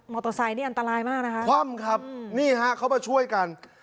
เตอร์ไซค์นี่อันตรายมากนะคะคว่ำครับนี่ฮะเขามาช่วยกัน